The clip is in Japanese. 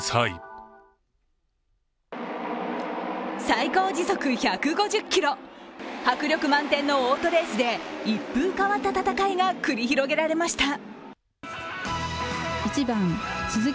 最高時速１５０キロ、迫力満点のオートレースで一風変わった戦いが繰り広げられました。